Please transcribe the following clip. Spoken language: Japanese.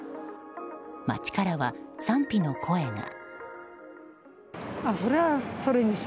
街からは賛否の声が。